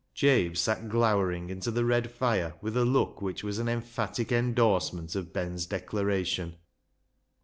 Jabe sat glowering into the red fire with a look which was an emphatic endorsement of 190 BECKSIDE LIGHTS Ben's declaration.